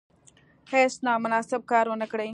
هیڅ نامناسب کار ونه کړي.